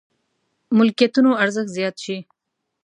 ملکيتونو ارزښت زيات شي.